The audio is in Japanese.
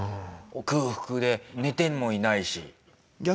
空腹で寝てもいないし。